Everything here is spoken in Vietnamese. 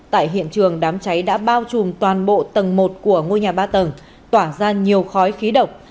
tại hiện trường đám cháy đã bao trùm toàn bộ tầng một của ngôi nhà ba tầng tỏa ra nhiều khói khí độc